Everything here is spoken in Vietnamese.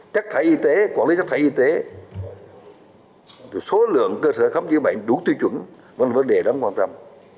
chắc thải y tế quản lý chắc thải y tế số lượng cơ sở khó khăn giữ bệnh đủ tư chuẩn vẫn là vấn đề đáng quan tâm